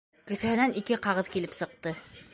Кеҫәһенән ике ҡағыҙ килеп сыҡты.